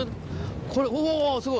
これおぉすごい。